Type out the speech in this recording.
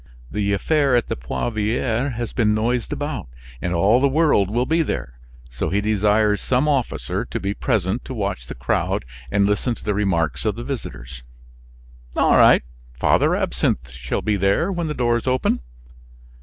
The affair at the Poivriere has been noised about, and all the world will be there, so he desires some officer to be present to watch the crowd and listen to the remarks of the visitors." "All right; Father Absinthe shall be there when the doors open."